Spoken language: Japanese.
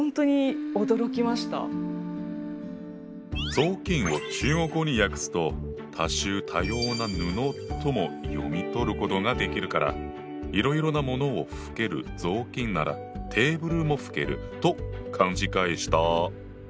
「雑巾」を中国語に訳すと「多種多様な布」とも読み取ることができるからいろいろなものを拭ける雑巾ならテーブルも拭けると勘違いした。